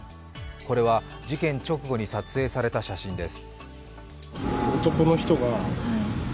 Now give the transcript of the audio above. これは、事件直後に撮影された写真です。